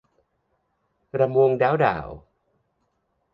รำวงด๋าวด่าว